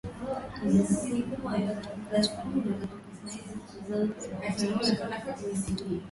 Ujumbe wa Umoja wa Mataifa nchini Libya (UNSML) ulielezea wasiwasi wake kwenye twitter